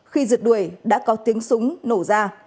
khi giật đuổi đã có tiếng súng nổ ra